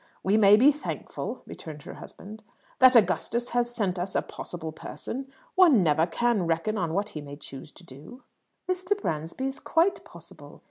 "We may be thankful," returned her husband, "that Augustus has sent us a possible person. One never can reckon on what he may choose to do." "Mr. Bransby is quite possible.